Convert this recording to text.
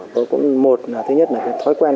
tôi cũng một là thứ nhất là cái thói quen